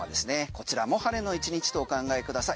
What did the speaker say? こちらも晴れの１日とお考えください。